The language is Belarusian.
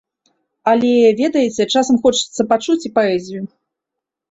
Але, ведаеце, часам хочацца пачуць і паэзію.